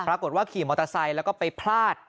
ปรากฏว่าขี่มอเตอร์ไซต์แล้วก็ไปพลาด